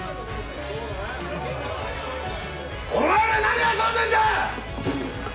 お前ら何遊んでんだ‼